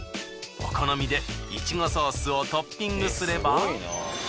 お好みでいちごソースをトッピングすれば。